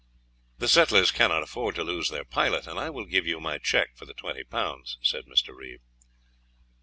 "The settlers cannot afford to lose their pilot, and I will give you my cheque for the twenty pounds," said Mr. Reeve.